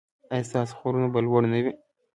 ایا ستاسو غرونه به لوړ نه وي؟